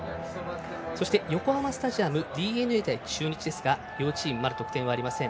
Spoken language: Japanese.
横浜スタジアムＤｅＮＡ対中日は両チームまだ得点はありません。